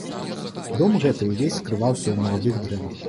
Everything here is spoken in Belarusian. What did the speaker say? Дом гэты ўвесь скрываўся ў маладых дрэвах.